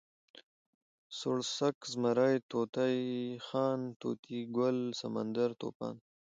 سوړسک، زمری، طوطی خان، طوطي ګل، سمندر، طوفان